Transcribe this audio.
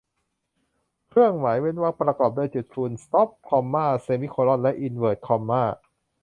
เครื่องหมายเว้นวรรคประกอบด้วย จุดฟูลสต๊อป คอมม่า เซมิโคล่อน และอินเวิร์ทคอมม่า